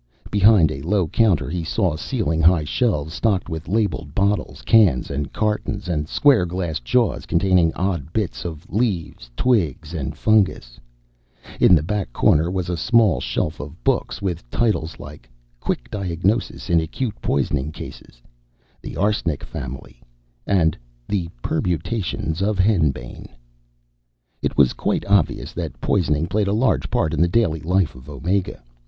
Behind a low counter he saw ceiling high shelves stocked with labeled bottles, cans and cartons, and square glass jars containing odd bits of leaves, twigs, and fungus. In back of the counter was a small shelf of books with titles like Quick Diagnosis in Acute Poisoning Cases; The Arsenic Family; and The Permutations of Henbane. It was quite obvious that poisoning played a large part in the daily life of Omega.